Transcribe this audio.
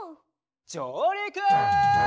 じょうりく！